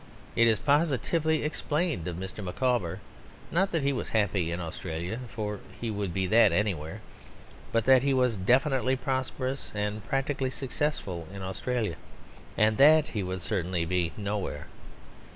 It is positively explained of Mr. Micawber not that he was happy in Australia (for he would be that anywhere), but that he was definitely prosperous and practically successful in Australia; and that he would certainly be nowhere.